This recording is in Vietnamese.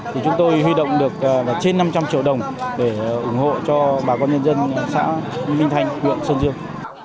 thì chúng tôi huy động được trên năm trăm linh triệu đồng để ủng hộ cho bà con nhân dân xã minh thanh huyện sơn dương